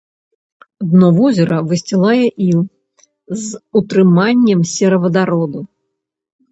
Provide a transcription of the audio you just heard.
Дно возера высцілае іл з утрыманнем серавадароду.